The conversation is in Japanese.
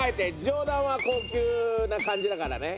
上段は高級な感じだからね。